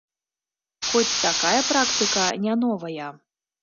Хоць такая практыка не новая.